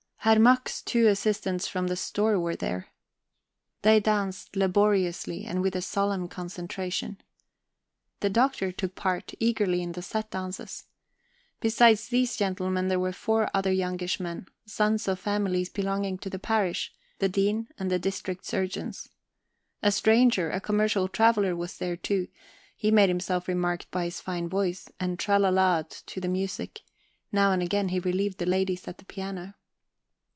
Herr Mack's two assistants from the store were there, laboriously and with a solemn concentration. The Doctor took part eagerly in the set dances. Besides these gentlemen, there were four other youngish men, sons of families belonging to the parish, the Dean, and the district surgeons. A stranger, a commercial traveller, was there too; he made himself remarked by his fine voice, and tralala'ed to the music; now and again he relieved the ladies at the piano.